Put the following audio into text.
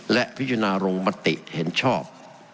และพิจารณาลงมติเห็นชอบ